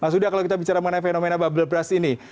mas huda kalau kita bicara mengenai fenomena bubble brush ini